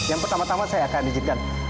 nah yang pertama tama saya akan bijikan